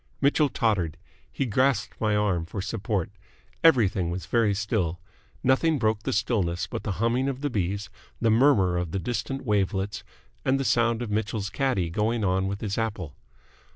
Mitchell tottered. He grasped my arm for support. Everything was very still. Nothing broke the stillness but the humming of the bees, the murmur of the distant wavelets, and the sound of Mitchell's caddie going on with his apple.